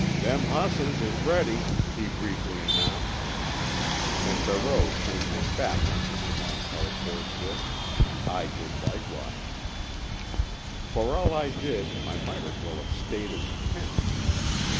"Them hosses is ready," he briefly announced. And Barreau turned his back on Mr. Montell forthwith. I did likewise. For all I did I might as well have stayed in the tent.